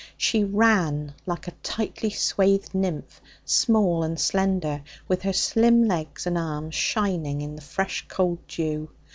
She ran like a tightly swathed nymph, small and slender, with her slim legs and arms shining in the fresh cold dew.